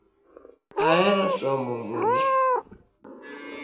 Ahero somo muma